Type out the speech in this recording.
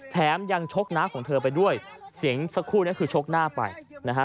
แถมยังชกน้าของเธอไปด้วยเสียงสักครู่นี้คือชกหน้าไปนะฮะ